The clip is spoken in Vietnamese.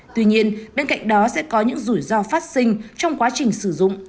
tuy nhiên bên cạnh đó sẽ có những rủi ro phát sinh trong quá trình sử dụng